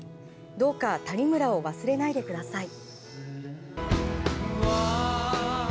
どうか谷村を忘れないでください。